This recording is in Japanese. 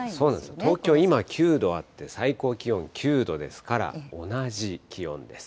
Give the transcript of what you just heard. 東京、今９度あって、最高気温９度ですから、同じ気温です。